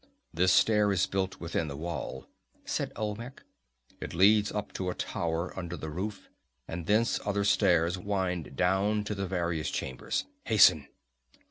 "This stair is built within the wall," said Olmec. "It leads up to a tower upon the roof, and thence other stairs wind down to the various chambers. Hasten!"